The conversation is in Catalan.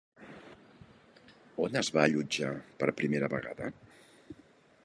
On es va allotjar per primera vegada?